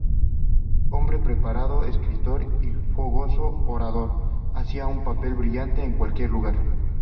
Hombre preparado, escritor y fogoso orador, hacía un papel brillante en cualquier lugar.